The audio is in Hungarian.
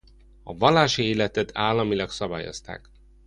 A vallási életet államilag szabályozták.